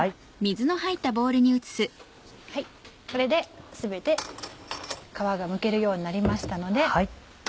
はいこれで全て皮がむけるようになりましたので。